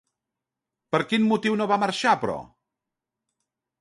Per quin motiu no van marxar, però?